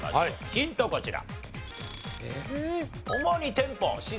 ヒントこちら。